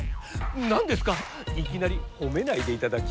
⁉何ですかいきなりほめないでいただきたい！